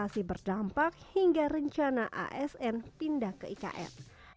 sehingga rencana asn pindah ke ikf